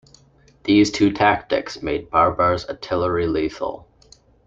These two tactics made Babur's artillery lethal.